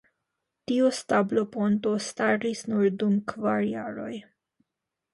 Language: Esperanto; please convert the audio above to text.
Tiu stabloponto staris nur dum kvar jaroj.